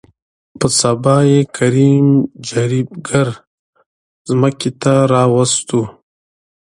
په سبا يې کريم جريب ګر ځمکې ته راوستو.